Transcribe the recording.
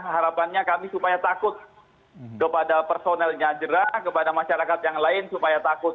harapannya kami supaya takut kepada personelnya jerah kepada masyarakat yang lain supaya takut